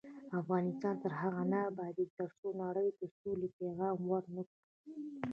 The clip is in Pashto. افغانستان تر هغو نه ابادیږي، ترڅو نړۍ ته د سولې پیغام ورنکړو.